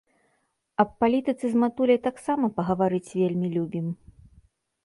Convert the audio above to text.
Аб палітыцы з матуляй таксама пагаварыць вельмі любім.